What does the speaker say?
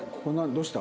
どうした？